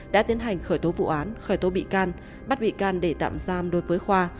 đã tiến hành khởi tố vụ án khởi tố bị can bắt bị can để tạm giam đối với khoa